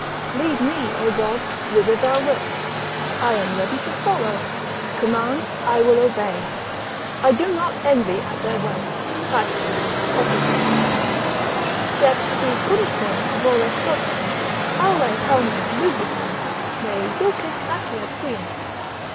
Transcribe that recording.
Lead me, O God, whither thou wilt, I am ready to follow; command, I will obey. I do not envy at their wealth, titles, offices; Stet quicunque volet potens Aulae culmine lubrico, Me dulcis saturet quies.